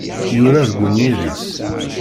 Yura deg unyir-is.